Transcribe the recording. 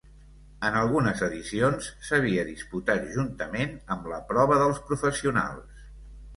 En algunes edicions s'havia disputat juntament amb la prova dels professionals.